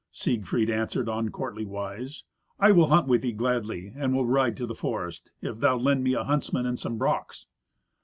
Siegfried answered on courtly wise, "I will hunt with thee gladly, and will ride to the forest, if thou lend me a huntsman and some brachs."